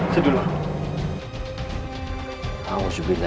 semuanya akan menentukan kau